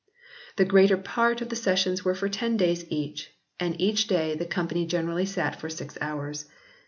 The greater part of the sessions were for ten days each, and each day the Company generally sat for six hours.